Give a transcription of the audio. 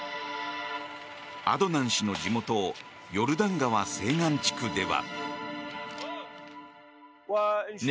アドナン氏の地元ヨルダン川西岸地区では。